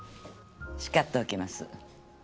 叱っておきます。